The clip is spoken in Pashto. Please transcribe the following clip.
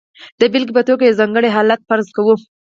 د بېلګې په توګه یو ځانګړی حالت فرض کوو.